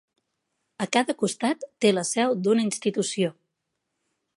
A cada costat té la seu d'una institució.